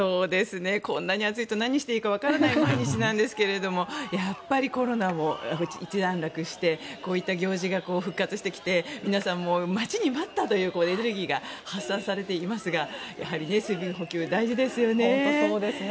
こんなに暑いと何していいかわからない毎日なんですけれどもやっぱりコロナも一段落してこういった行事が復活してきて皆さん待ちに待ったというエネルギーが発散されていますが本当にそうですね。